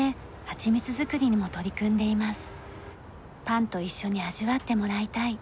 パンと一緒に味わってもらいたい。